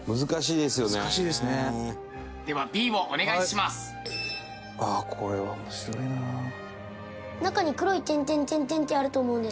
ではＣをお願いします。